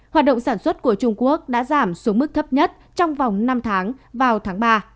hoạt động sản xuất của trung quốc đã giảm xuống mức thấp nhất trong vòng năm tháng vào tháng ba